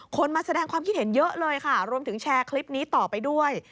มาแสดงความคิดเห็นเยอะเลยค่ะรวมถึงแชร์คลิปนี้ต่อไปด้วย